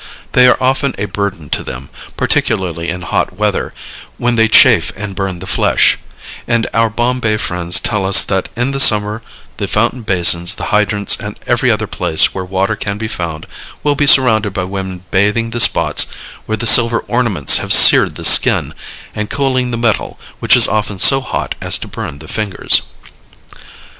They are often a burden to them, particularly in hot weather, when they chafe and burn the flesh, and our Bombay friends tell us that in the summer the fountain basins, the hydrants and every other place where water can be found will be surrounded by women bathing the spots where the silver ornaments have seared the skin and cooling the metal, which is often so hot as to burn the fingers.